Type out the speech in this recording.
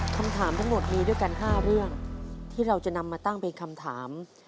คำถามทั้งหมดมีด้วยกัน๕เรื่องที่เราจะนำมาตั้งเป็นคำถาม